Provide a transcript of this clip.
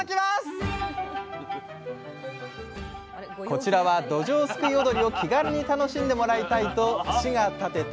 こちらはどじょうすくい踊りを気軽に楽しんでもらいたいと市が建てた演芸館。